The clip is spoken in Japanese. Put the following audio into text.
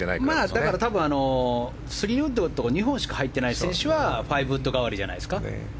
だから多分３ウッドとか２本しか入っていない選手は５ウッド替わりじゃないですか。